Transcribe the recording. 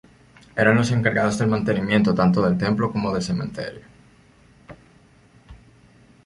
Eran los encargados del mantenimiento tanto del templo como del cementerio.